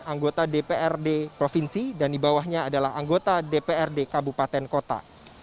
anggota dprd provinsi dan di bawahnya adalah anggota dprd kabupaten kota